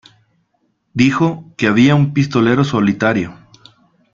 Dijo que había un pistolero solitario.